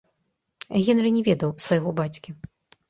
Генры не ведаў свайго бацькі.